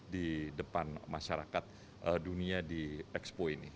di depan masyarakat dunia di expo ini